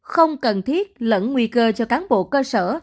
không cần thiết lẫn nguy cơ cho cán bộ cơ sở